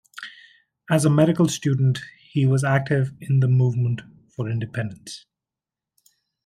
As a medical student he was active in the movement for independence.